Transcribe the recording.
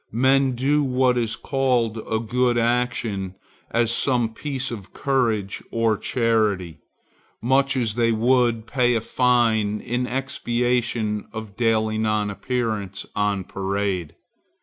Men do what is called a good action, as some piece of courage or charity, much as they would pay a fine in expiation of daily non appearance on parade.